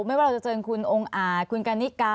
ไม่ว่าเราจะเจอคุณองค์อาจคุณกันนิกา